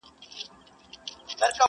نه ملکانو څه ویل نه څه ویله مُلا،